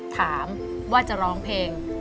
ถามว่าจะร้องเพลง